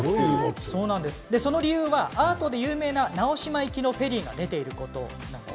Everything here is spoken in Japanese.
その理由はアートで有名な直島行きのフェリーが出ていること。